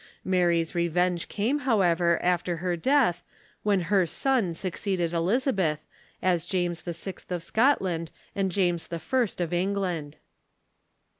Mary's revenge came, however, after her death, when her son succeeded Elizabeth, as James VI. of Scotland and James I. of England.